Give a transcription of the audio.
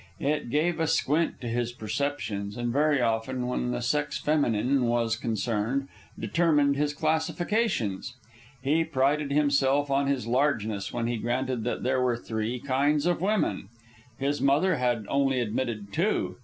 It gave a squint to his perceptions, and very often, when the sex feminine was concerned, determined his classifications. He prided himself on his largeness when he granted that there were three kinds of women. His mother had only admitted two.